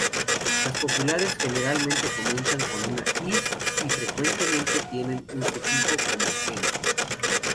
Los plurales generalmente comienzan con una i- y frecuentemente tienen un sufijo, como -en.